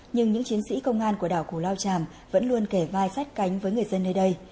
nhưng những chiến sĩ công an của đảo cù lao tràm vẫn luôn kể vai sát cánh với người dân nơi đây